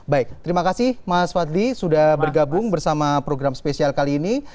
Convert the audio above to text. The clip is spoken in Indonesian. baik terima kasih mas fadli sudah bergabung bersama program spesial kali ini